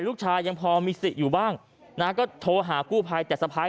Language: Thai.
ลูกชายยังพอมีสิทธิ์อยู่บ้างนะก็โทรหากู้ภัยแต่สะพ้าย